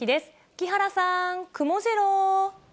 木原さん、くもジロー。